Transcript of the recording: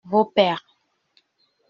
Vos pères.